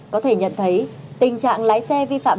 có thể nhận thấy tình trạng lái xe vi phạm